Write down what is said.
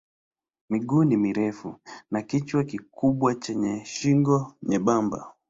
Miguu ni mirefu na kichwa kikubwa chenye shingo nyembamba.